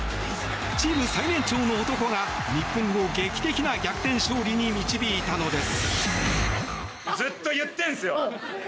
チーム最年長の男が日本を劇的な逆転勝利に導いたのです。